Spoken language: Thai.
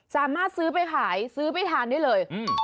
สามารถซื้อไปขายซื้อไปทานได้เลย